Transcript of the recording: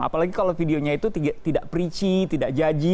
apalagi kalau videonya itu tidak preachy tidak jaji